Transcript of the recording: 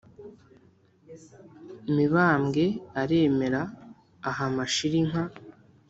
\ mibambwe aremera aha mashira inka.